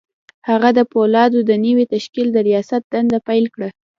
هغه د پولادو د نوي تشکیل د رياست دنده پیل کړه